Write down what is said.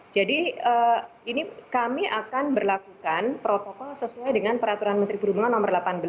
jadi ini kami akan berlakukan protokol sesuai dengan peraturan menteri perhubungan nomor delapan belas